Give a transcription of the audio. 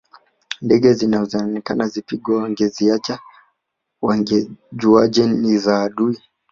Ndege zikionekana zipigwe wangeziacha wangejuaje ni za adui